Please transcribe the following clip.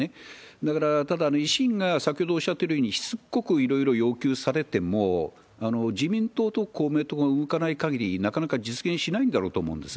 だから、ただ維新が、先ほどおっしゃってるように、しつこくいろいろ要求されても、自民党と公明党が動かないかぎり、なかなか実現しないんだろうと思うんです。